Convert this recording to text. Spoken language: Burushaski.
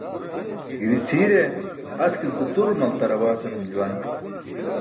Giri cʰiire "askil ce tur maltarabaa" senum juwan.